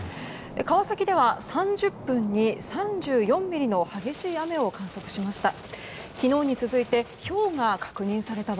川崎では３０分に３４ミリの激しい雨を観測しました。